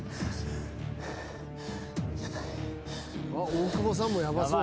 大久保さんもヤバそう。